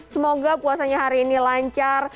semoga puasanya hari ini lancar